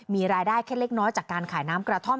มีรายได้แค่เล็กน้อยจากการขายน้ำกระท่อม